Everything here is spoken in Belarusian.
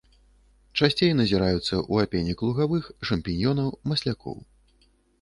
Часцей назіраюцца ў апенек лугавых, шампіньёнаў, маслякоў.